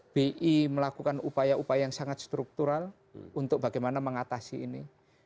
bi melakukan upaya upaya yang sangat struktural untuk bagaimana mengatasi ini